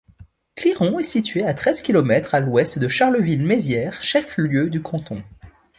Cliron est située à treize kilomètres à l'ouest de Charleville-Mézières, chef lieu de canton.